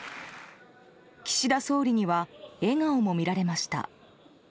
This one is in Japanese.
岸田総理には笑顔も見られました。